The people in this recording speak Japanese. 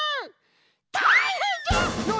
たいへんじゃ！